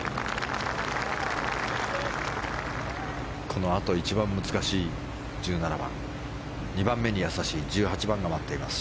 このあと一番難しい１７番そして２番目にやさしい１８番が待っています